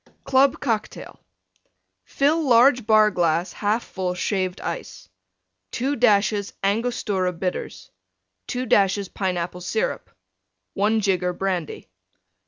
CLUB COCKTAIL Fill large Bar glass 1/2 full Shaved Ice. 2 dashes Angostura Bitters. 2 dashes Pineapple Syrup. 1 jigger Brandy.